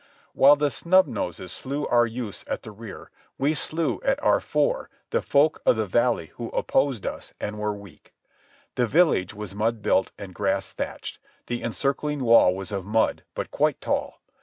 While the Snub Noses slew our youths at the rear, we slew at our fore the folk of the valley who opposed us and were weak. The village was mud built and grass thatched; the encircling wall was of mud, but quite tall.